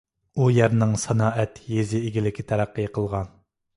ئۇ يەرنىڭ سانائەت، يېزا ئىگىلىكى تەرەققىي قىلغان.